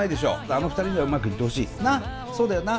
あの２人にはうまくいってほしい。な？